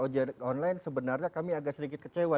ojek online sebenarnya kami agak sedikit kecewa